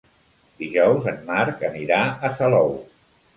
Dijous en Marc anirà a Salou.